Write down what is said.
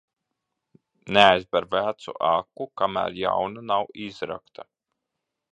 Neaizber vecu aku, kamēr jauna nav izrakta.